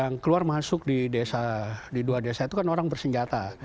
yang keluar masuk di dua desa itu kan orang bersenjata